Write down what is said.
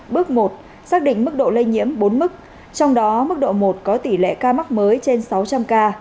bước một xác định mức độ lây nhiễm bốn mức trong đó mức độ một có tỷ lệ ca mắc mới trên sáu trăm linh ca